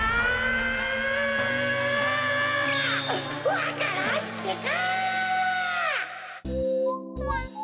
わか蘭ってか！